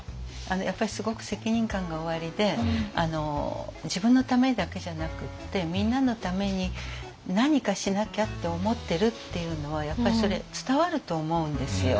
やっぱりすごく責任感がおありで自分のためだけじゃなくってみんなのために何かしなきゃって思ってるっていうのはやっぱりそれ伝わると思うんですよ。